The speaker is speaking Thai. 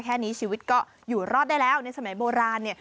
แค่นี้ชีวิตก็อยู่รอดได้แล้วในสมัยโบราณเนี่ย